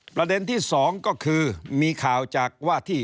ประเด็นที่๒ก็คือมีข่าวจากว่าที่